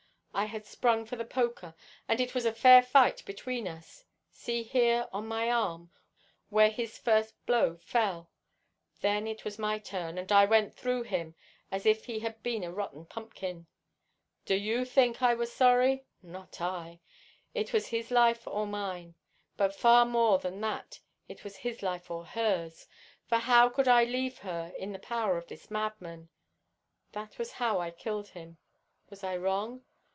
I had sprung for the poker, and it was a fair fight between us. See here on my arm where his first blow fell. Then it was my turn, and I went through him as if he had been a rotten pumpkin. Do you think I was sorry? Not I! It was his life or mine, but far more than that it was his life or hers, for how could I leave her in the power of this madman? That was how I killed him. Was I wrong?